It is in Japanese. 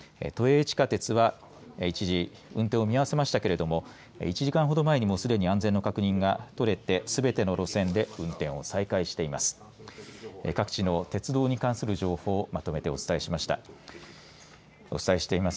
都営地下鉄は一時運転を見合わせましたけれども１時間ほど前にもうすでに安全の確認が取れてすべての路線で運転を再開しています。